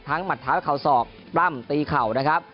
ทั้งหมัดเท้าเข่าศอกปร่ำตีเข่า